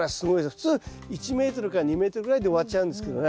普通１ｍから２ｍぐらいで終わっちゃうんですけどね